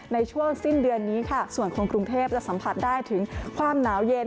ในช่วงสิ้นเดือนนี้ค่ะส่วนคนกรุงเทพจะสัมผัสได้ถึงความหนาวเย็น